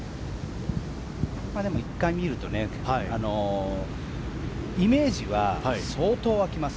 でも１回見るとイメージは相当湧きます。